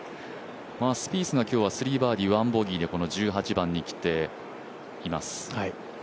スピースは今日３バーディー１ボギーでこの１８番に来ています。